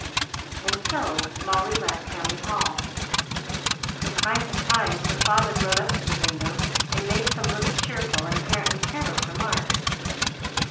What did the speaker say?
And so Molly left Hamley Hall. From time to time her father rode up to the window, and made some little cheerful and apparently careless remark.